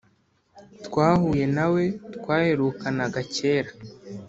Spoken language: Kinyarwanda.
twahuye nawe twaherukanaga cyera